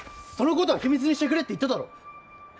その事は秘密にしてくれって言っただろ！